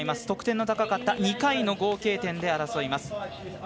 得点の高かった２回の合計点で争います。